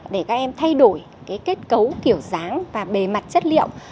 để các em thay đổi kết cấu kiểu dáng và bề mặt chất liệu